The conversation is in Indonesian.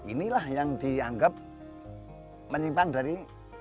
inilah yang dianggap menyimpang dari